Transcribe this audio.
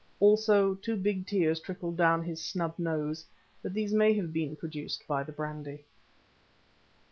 Also two big tears trickled down his snub nose, but these may have been produced by the brandy.